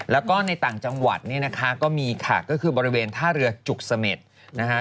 แล้วก็ในต่างจังหวัดเนี่ยนะคะก็มีค่ะก็คือบริเวณท่าเรือจุกเสม็ดนะคะ